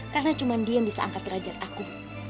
karena cuma dia yang bisa angkat rajad aku